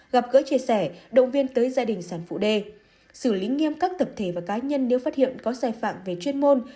gặp gỡ chia sẻ động viên tới gia đình sản phụ đê xử lý nghiêm các tập thể và cá nhân nếu phát hiện có sai phạm về chuyên môn